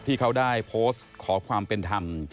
ที่เขาได้โพสต์ขอความเป็นธรรม